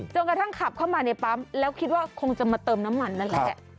กระทั่งขับเข้ามาในปั๊มแล้วคิดว่าคงจะมาเติมน้ำมันนั่นแหละ